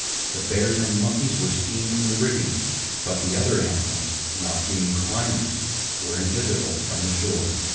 The bears and monkeys were seen in the rigging, but the other animals, not being climbers, were invisible from the shore.